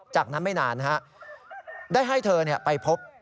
จากนั้นไม่นานได้ให้เธอไปพบ